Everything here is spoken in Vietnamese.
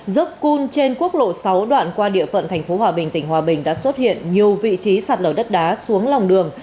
dốc cun trên quốc lộ sáu đoạn qua địa phận tp hòa bình tỉnh hòa bình đã xuất hiện nhiều vị trí sạt lở đất đá xuống lòng đường